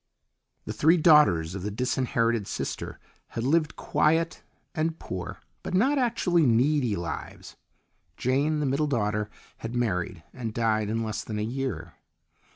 The three daughters of the disinherited sister had lived quiet and poor, but not actually needy lives. Jane, the middle daughter, had married, and died in less than a year.